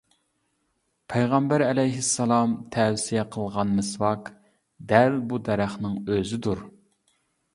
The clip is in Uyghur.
پەيغەمبەر ئەلەيھىسسالام تەۋسىيە قىلغان مىسۋاك دەل بۇ دەرەخنىڭ ئۆزىدۇر.